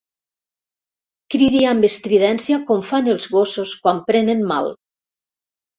Cridi amb estridència com fan els gossos quan prenen mal.